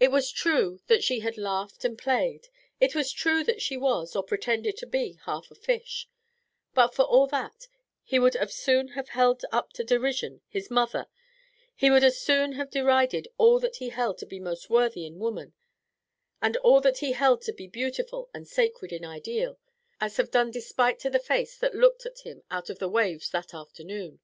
It was true that she had laughed and played; it was true that she was, or pretended to be, half a fish; but, for all that, he would as soon have held up to derision his mother, he would as soon have derided all that he held to be most worthy in woman and all that he held to be beautiful and sacred in ideal, as have done despite to the face that looked at him out of the waves that afternoon.